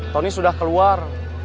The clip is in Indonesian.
tony sudah keluar